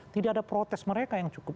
tidak ada protes mereka yang cukup